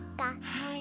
はい。